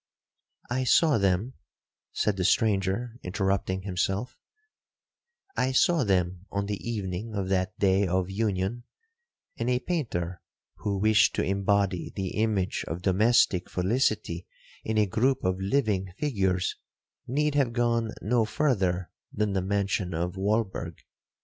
'I saw them,' said the stranger, interrupting himself,—'I saw them on the evening of that day of union, and a painter, who wished to embody the image of domestic felicity in a group of living figures, need have gone no further than the mansion of Walberg.